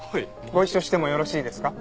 ご一緒してもよろしいですか？